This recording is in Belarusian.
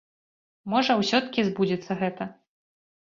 Можа, усё-ткі збудзецца гэта.